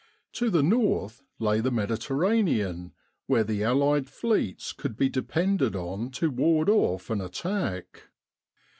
To the north lay the Mediterranean, where the Allied fleets could be depended on to ward off an attack.